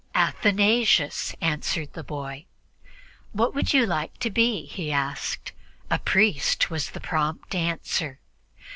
"Athanasius," answered the boy. "What would you like to be?" he asked. "A priest," was the prompt answer.